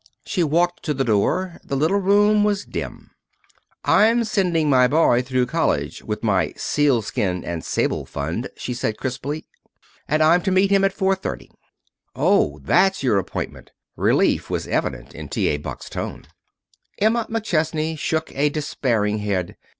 She walked to the door. The little room was dim. "I'm sending my boy through college with my sealskin and sable fund," she said crisply; "and I'm to meet him at 4:30." "Oh, that's your appointment!" Relief was evident in T. A. Buck's tone. Emma McChesney shook a despairing head.